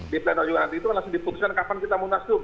di pleno juga nanti itu nanti diputuskan kapan kita munasub